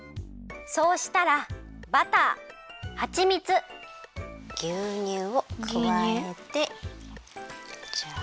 そうしたらバターはちみつぎゅうにゅうをくわえてジャ。